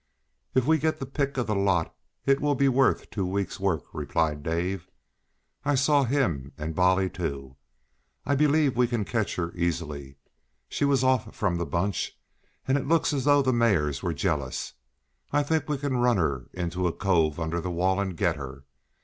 "If we get the pick of the lot it will be worth two weeks' work," replied Dave. "I saw him, and Bolly, too. I believe we can catch her easily. She was off from the bunch, and it looks as though the mares were jealous. I think we can run her into a cove under the wall, and get her.